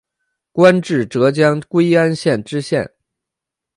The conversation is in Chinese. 官至浙江归安县知县。